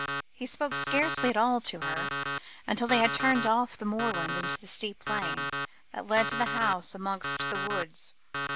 He spoke scarcely at all to her, until they had turned off the moorland into the steep lane, that led to the house amongst the woods.